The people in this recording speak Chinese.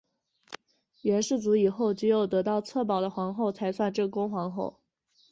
元世祖以后只有得到策宝的皇后才算正宫皇后。